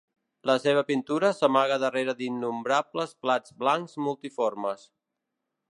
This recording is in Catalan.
La seva pintura s'amaga darrere d'innombrables plats blancs multiformes.